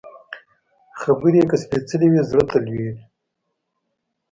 خبرې که سپېڅلې وي، زړه ته لوري